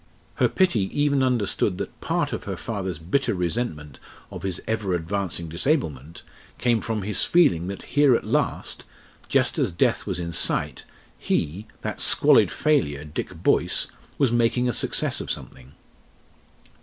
Her pity even understood that part of her father's bitter resentment of his ever advancing disablement came from his feeling that here at last just as death was in sight he, that squalid failure, Dick Boyce, was making a success of something.